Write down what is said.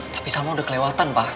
tapi salma udah kelewatan pa